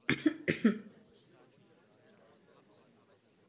Zpěv vystudovala na konzervatoři v Brně a na Vysoké škole múzických umění v Bratislavě.